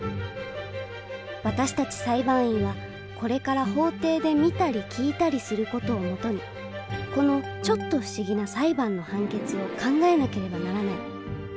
私たち裁判員はこれから法廷で見たり聞いたりする事を基にこのちょっと不思議な裁判の判決を考えなければならない。